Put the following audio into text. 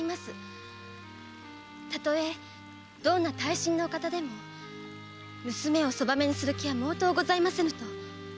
たとえどんな大身のお方でも娘を側女にする気は毛頭ございませぬと。